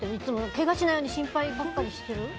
けがしないように心配ばかりしてる？